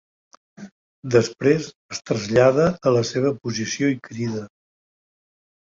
Després es trasllada a la seva posició i crida.